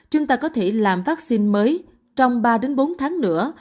chúng ta có thể làm vaccine mới trong ba bốn tháng nữa